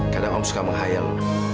kadang om suka menghayal